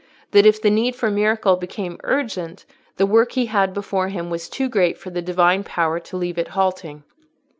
—that if the need for miracle became urgent, the work he had before him was too great for the Divine power to leave it halting.